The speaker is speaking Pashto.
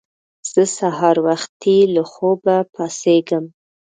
زه سهار وختي له خوبه پاڅېږم